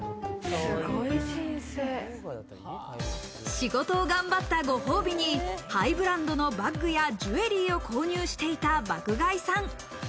仕事を頑張ったご褒美にハイブランドのバッグやジュエリーを購入していた爆買いさん。